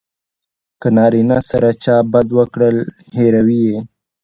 که نارینه سره چا بد وکړل هیروي یې.